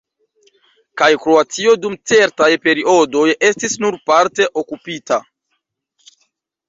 Kaj Kroatio dum certaj periodoj estis nur parte okupita.